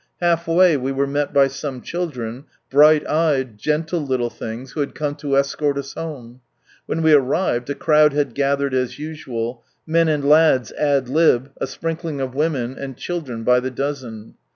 Half way we were met by some children, bright eyed, gentle little things, who had come to escort us home. When we arrived a crowd had gathered as usual. Men and iads nd lib., a sprinkling of women, and children by the dozen.